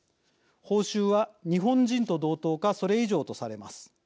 報酬は日本人と同等かそれ以上とされます。